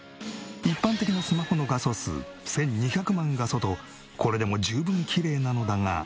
一般的なスマホの画素数１２００万画素とこれでも十分きれいなのだが。